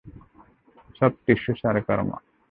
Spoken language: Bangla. Soft tissue sarcoma.